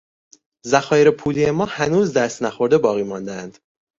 ذخایر پولی ما هنوز دست نخورده باقی ماندهاند.